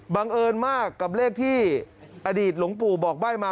บังเอิญมากกับเลขที่อดีตหลวงปู่บอกใบ้มา